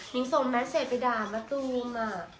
หนิงส่งเม็ดเซ็ตไปด่ามมะตูม